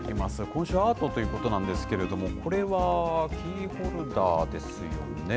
今週アートということなんですけれども、これはキーホルダーですよね。